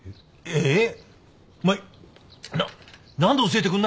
えっ？